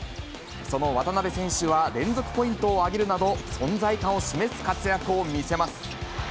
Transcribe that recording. その渡邊選手は、連続ポイントを挙げるなど、存在感を示す活躍を見せます。